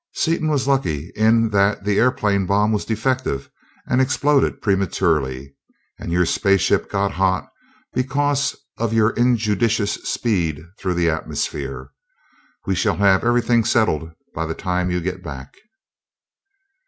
Seaton was lucky in that the airplane bomb was defective and exploded prematurely; and your space ship got hot because of your injudicious speed through the atmosphere. We shall have everything settled by the time you get back."